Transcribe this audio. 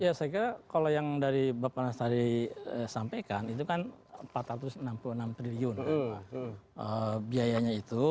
ya saya kira kalau yang dari bapak nasari sampaikan itu kan rp empat ratus enam puluh enam triliun biayanya itu